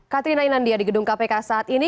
katrina inandia di gedung kpk saat ini